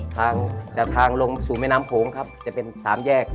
ทางจากทางลงสู่แม่น้ำโขงครับจะเป็นสามแยก